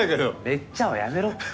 めっちゃはやめろって。